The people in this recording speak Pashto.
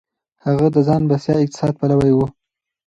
هغه د ځان بسيا اقتصاد پلوی و.